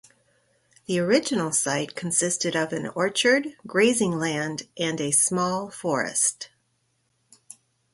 The original site consisted of an orchard, grazing land and a small forest.